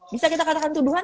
bisa kita katakan tuduhan